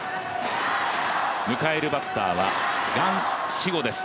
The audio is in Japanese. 迎えるバッターは顔思語です。